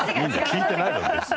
聞いてないだろ別に。